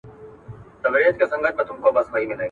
لاس مينځه،